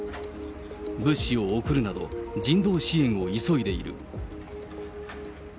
物資を送るなど、人道支援を急いでいる。